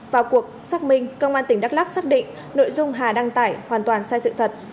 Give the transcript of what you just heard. vào cuộc xác minh công an tỉnh đắk lắc xác định nội dung hà đăng tải hoàn toàn sai sự thật